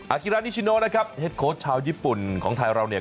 อาจิรันดิ์ชิโน้นะครับเฮ็ดโค้ดชาวยิปุ่นของไทยเราเนี่ย